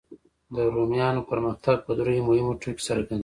د رومیانو پرمختګ په دریو مهمو ټکو کې څرګند دی.